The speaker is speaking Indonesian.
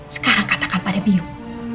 sekarang katakan pada biung